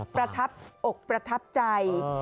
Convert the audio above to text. ประทับอกประทับใจ